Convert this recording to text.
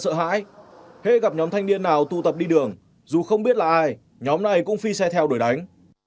thế gặp nhóm thanh niên nào tụ tập đi đường dù không biết là ai nhóm này cũng phi xe theo đuổi đánh